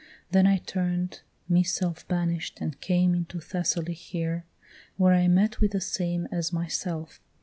Then I turn'd me self banish'd, and came Into Thessaly here, where I met with the same As myself.